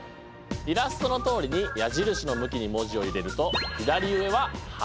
イラストのとおりに矢印の向きに文字を入れると左上は「はな」。